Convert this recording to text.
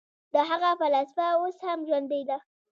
د هغه فلسفه اوس هم ژوندۍ ده.